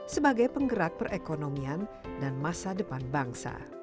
sebagai penggerak perekonomian dan masa depan bangsa